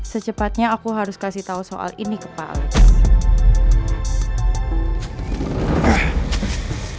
secepatnya aku harus kasih tau soal ini ke pak alex